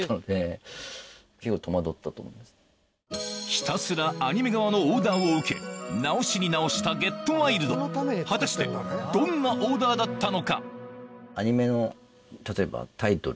ひたすらアニメ側のオーダーを受け直しに直した『ＧｅｔＷｉｌｄ』果たしてでいいって言われたような感じだったと。